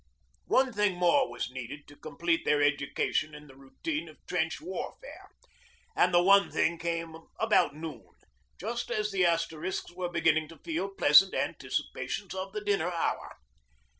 One thing more was needed to complete their education in the routine of trench warfare, and the one thing came about noon just as the Asterisks were beginning to feel pleasant anticipations of the dinner hour.